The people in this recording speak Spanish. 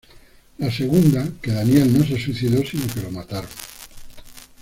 La segunda, que Daniel no se suicidó sino que lo mataron.